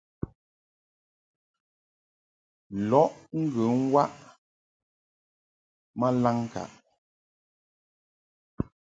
Lɔʼ ŋgə waʼ ma laŋŋkaʼ.